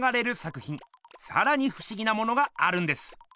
さらにふしぎなものがあるんです。